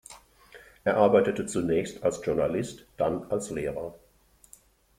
Er arbeitete zunächst als Journalist, dann als Lehrer.